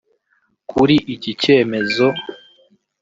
Kuri iki cyemezo